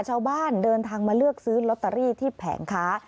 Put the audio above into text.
ชาวบ้านเดินทางมาเลือกซื้อลอตเตอรี่ที่แผงค้า